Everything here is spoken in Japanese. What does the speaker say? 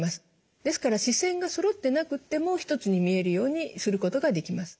ですから視線がそろってなくっても１つに見えるようにすることができます。